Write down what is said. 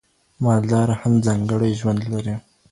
مالدار هم ځانګړی ژوند لري.